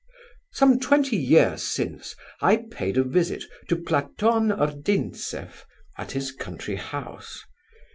Some twenty years since, I paid a visit to Platon Ordintzeff at his country house.